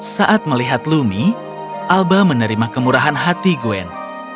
saat melihat lumi alba menerima kemurahan hati gwen